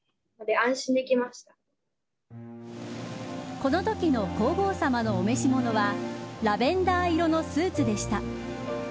このときの皇后さまのお召し物はラベンダー色のスーツでした。